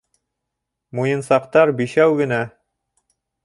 Муйынсаҡтар бишәү генә.